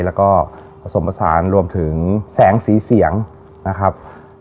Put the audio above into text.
แล้วก็ผสมผสานรวมถึงแสงสีเสียงนะครับ